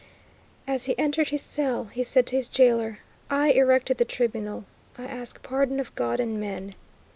As he entered his cell he said to his jailer: "I erected the Tribunal. I ask pardon of God and men."